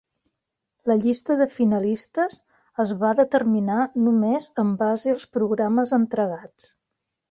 La llista de finalistes es va determinar només en base als programes entregats.